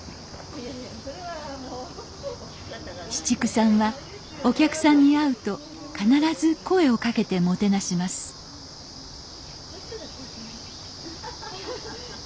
紫竹さんはお客さんに会うと必ず声をかけてもてなしますハハハハハハッ。